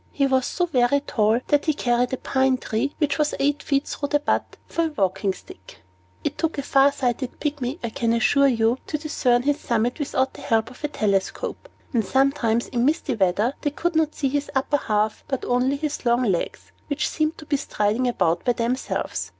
He was so very tall that he carried a pine tree, which was eight feet through the butt, for a walking stick. It took a far sighted Pygmy, I can assure you, to discern his summit without the help of a telescope; and sometimes, in misty weather, they could not see his upper half, but only his long legs, which seemed to be striding about by themselves.